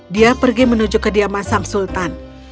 dia pergi menuju kediaman sang sultan